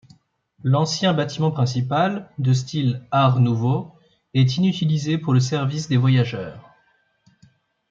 L'ancien bâtiment principal, de style Art nouveau, est inutilisé pour le service des voyageurs.